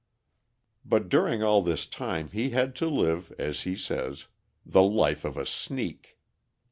But during all this time he had to live, as he says, "the life of a sneak."